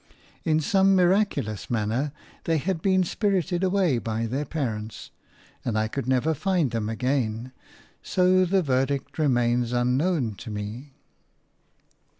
In some miraculous manner they had been spirited away by their parents, and I could never find them again; so the verdict remains unknown to me.